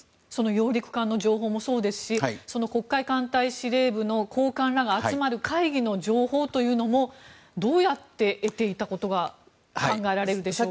揚陸艦の情報もそうですし黒海艦隊司令部の高官らが集まる会議の情報というのもどうやって得ていたことが考えられるでしょうか？